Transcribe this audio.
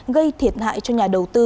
gây thiệt hại cho nhà đầu tư